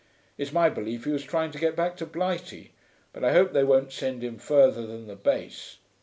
It's my belief he was trying to get back to Blighty, but I hope they won't send him further than the base.